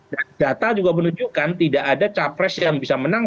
dan data juga menunjukkan tidak ada capres yang bisa menang